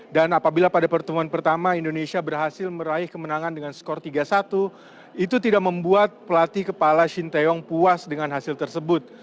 dan apabila pada pertemuan pertama indonesia berhasil meraih kemenangan dengan skor tiga puluh satu itu tidak membuat pelatih kepala shinteong puas dengan hasil tersebut